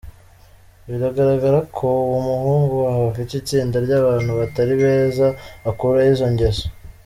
Biragaragara ko uwo muhungu wawe afite itsinda ry’abantu batari beza akuraho izo ngeso.